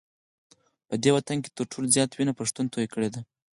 په دې وطن کي تر ټولو زیاته وینه پښتون توی کړې ده